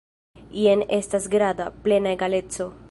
Jen estas granda, plena egaleco.